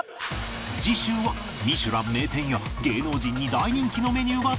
次週は『ミシュラン』名店や芸能人に大人気のメニューが登場